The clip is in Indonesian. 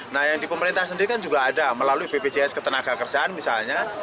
nah yang di pemerintah sendiri kan juga ada melalui bpjs ketenaga kerjaan misalnya